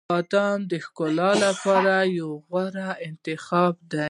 • بادام د ښکلا لپاره یو غوره انتخاب دی.